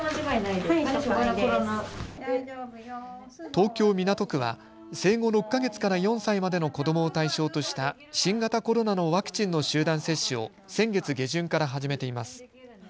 東京港区は生後６か月から４歳までの子どもを対象とした新型コロナのワクチンの集団接種を先月下旬から始めています。